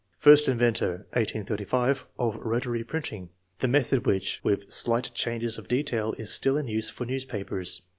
First inventor (1835) of rotatory printing, the method which, with slight changes of detail, is still in use for newspapers.